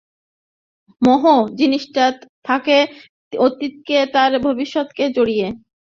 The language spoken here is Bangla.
মোহ জিনিসটা থাকে অতীতকে আর ভবিষ্যৎকে জড়িয়ে।